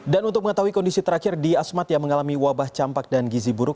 dan untuk mengetahui kondisi terakhir di asmat yang mengalami wabah campak dan gizi buruk